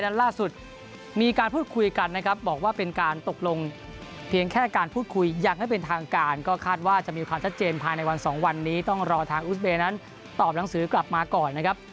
และล่าสุดมีการพูดคุยกันนะครับบอกว่าเป็นการตกลงเพียงแค่การพูดคุยอย่างไม่เป็นทางการก็คาดว่าจะมีความชัดเจนภายในวันสองวันนี้ต้องรอทางอุสเบย์นั้นตอบหนังสือกลับมาก่อนนะครับ